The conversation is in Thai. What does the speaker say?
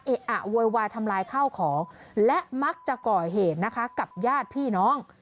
อะโวยวายทำลายข้าวของและมักจะก่อเหตุนะคะกับญาติพี่น้อง